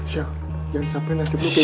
sal jangan sampe nasib lu kayak